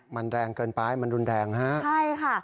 มันแรงเกินไปมันรุนแรงฮะใช่ค่ะ